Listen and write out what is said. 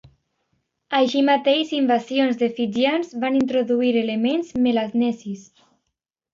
Així mateix, invasions de fijians van introduir elements melanesis.